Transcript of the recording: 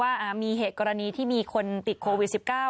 ว่ามีเหตุกรณีที่มีคนติดโควิด๑๙